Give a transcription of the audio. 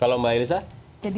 kalau mbak irisa